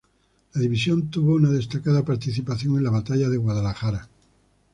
La división tuvo una destacada participación en la Batalla de Guadalajara.